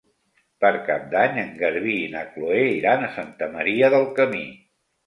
Per Cap d'Any en Garbí i na Chloé iran a Santa Maria del Camí.